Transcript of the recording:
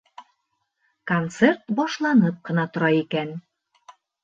Концерт башланып ҡына тора икән.